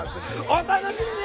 お楽しみに！